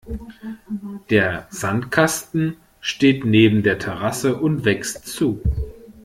Der Sandkasten steht neben der Terrasse und wächst zu.